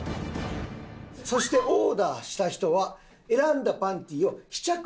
そしてオーダーした人は選んだパンティーを試着して。